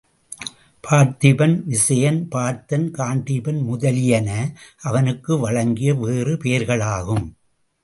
பார்த்திபன், விசயன், பார்த்தன், காண்டீபன் முதலியன அவனுக்கு வழங்கிய வேறு பெயர்களாகும்.